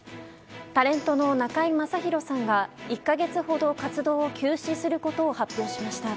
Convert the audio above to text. タレントの中居正広さんが１か月ほど活動を休止することを発表しました。